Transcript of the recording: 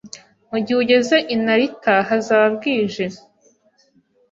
Mugihe ugeze i Narita, hazaba bwije